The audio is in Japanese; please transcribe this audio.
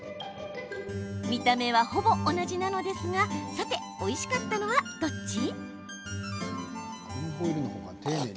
見た目はほぼ同じなのですがさて、おいしかったのはどっち？